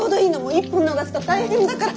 １本逃すと大変だから。